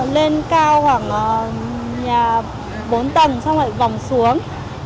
lên cao khoảng bốn tầng xong rồi vòng xuống